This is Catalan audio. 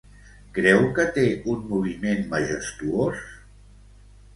Creu que té un moviment majestuós?